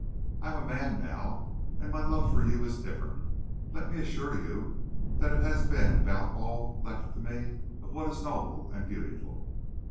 I am a man now. And my love for you is different. Let me assure you that it has been about all left to me of what is noble and beautiful.